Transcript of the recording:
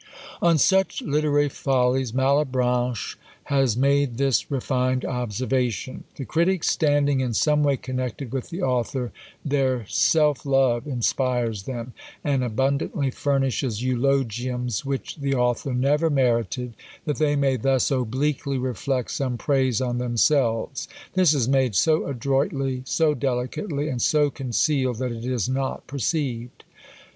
On such literary follies Malebranche has made this refined observation. The critics, standing in some way connected with the author, their self love inspires them, and abundantly furnishes eulogiums which the author never merited, that they may thus obliquely reflect some praise on themselves. This is made so adroitly, so delicately, and so concealed, that it is not perceived.